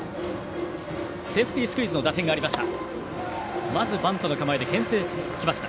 セーフティースクイズの打点がありました。